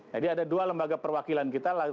jadi ada dua lembaga perwakilan kita